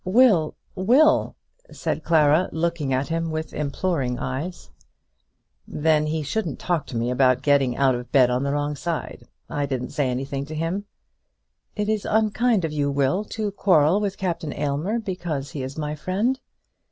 "Will; Will!" said Clara, looking at him with imploring eyes. "Then he shouldn't talk to me about getting out of bed on the wrong side. I didn't say anything to him." "It is unkind of you, Will, to quarrel with Captain Aylmer because he is my friend."